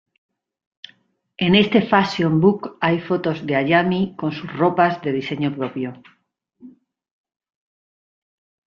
En este fashion book hay fotos de Hayami con sus ropas de diseño propio.